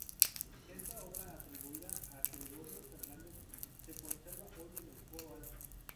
Esta obra, atribuida a Gregorio Fernández, se conserva hoy en el coro alto.